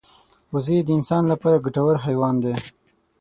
وزې د انسان لپاره ګټور حیوان دی